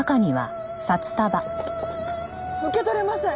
受け取れません！